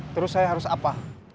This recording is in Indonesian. terus saya harus apa